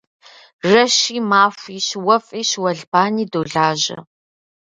Жэщи махуи щыуэфӏи щыуэлбани долажьэ.